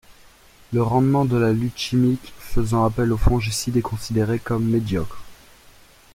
Le rendement de la lutte chimique faisant appel aux fongicides est considéré comme médiocre.